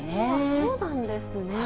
そうなんですね。